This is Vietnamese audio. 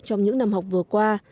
trong những năm học vừa qua